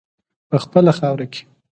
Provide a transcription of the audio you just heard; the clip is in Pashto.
په خپله خاوره کې.